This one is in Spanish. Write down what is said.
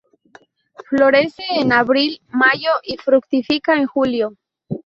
Florece en abril-mayo y fructifica en julio.